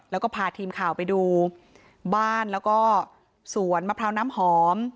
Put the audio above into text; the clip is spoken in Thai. แล้วก็พาทีมข่าวไปดูบ้านแล้วก็สวนมะพร้าวน้ำหอม